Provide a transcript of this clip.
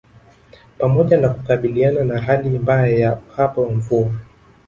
Pamoja na kukabiliana na hali mbaya ya uhaba wa mvua